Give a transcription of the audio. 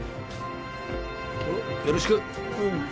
よろしく。